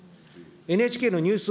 ＮＨＫのニュース